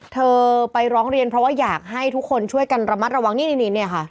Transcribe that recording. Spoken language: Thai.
เธอไปร้องเรียนเพราะว่าอยากให้ทุกคนช่วยกันระมัดระวังนี่นี่ค่ะ